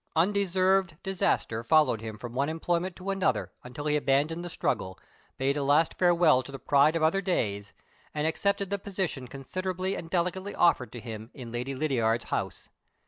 Undeserved disaster followed him from one employment to another, until he abandoned the struggle, bade a last farewell to the pride of other days, and accepted the position considerately and delicately offered to him in Lady Lydiard's house.